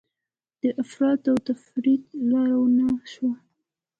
د افراط او تفریط لاره ونه نیسو.